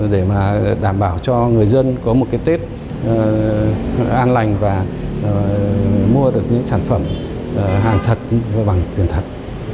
để mà đảm bảo cho người dân có một cái tết an lành và mua được những sản phẩm hàng thật và bằng tiền thật